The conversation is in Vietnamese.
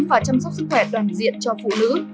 và chăm sóc sức khỏe toàn diện cho phụ nữ